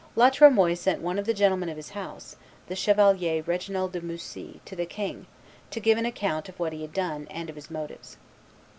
La Tremoille sent one of the gentlemen of his house, the chevalier Reginald de Moussy, to the king, to give an account of what he had done, and of his motives.